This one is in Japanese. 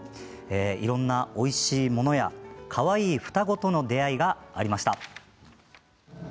いろんなおいしいものやかわいい双子との出会いがありました。